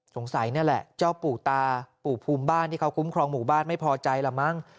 นี่แหละเจ้าปู่ตาปู่ภูมิบ้านที่เขาคุ้มครองหมู่บ้านไม่พอใจละมั้ง